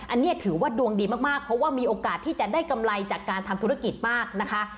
อันนี้ถือว่าดวงดีมากเพราะว่ามีโอกาสที่จะได้กำไรจากการทำธุรกิจมากนะคะ